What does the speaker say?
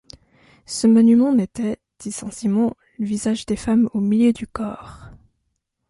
Ce monument mettait, dit Saint-Simon, le visage des femmes au milieu du corps.